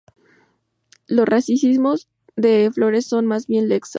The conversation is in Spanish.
Los racimos de flores son más bien laxas.